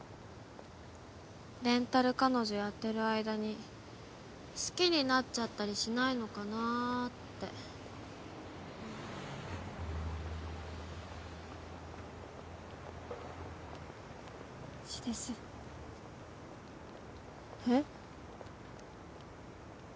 レンタル彼女やってる間に好きになっちゃったりしないのかなってしですえっ？